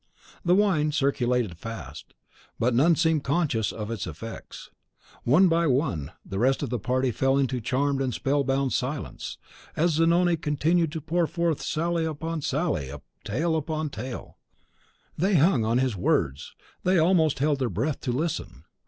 The wine circulated fast; but none seemed conscious of its effects. One by one the rest of the party fell into a charmed and spellbound silence, as Zanoni continued to pour forth sally upon sally, tale upon tale. They hung on his words, they almost held their breath to listen.